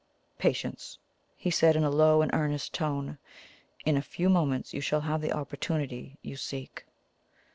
"Patience!" he said in a low and earnest tone. "In a few moments you shall have the opportunity you seek."